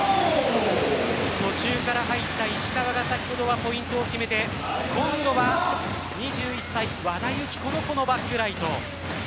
途中から入った石川が先ほどはポイントを決めて今度は２１歳・和田由紀子のこのバックライト。